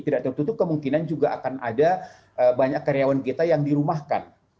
tidak tertutup kemungkinan juga akan ada banyak karyawan kita yang dirumahkan